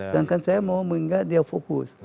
dan kan saya mau mengingat dia fokus